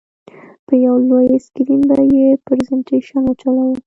په یو لوی سکرین به یې پرزینټېشن وچلوو.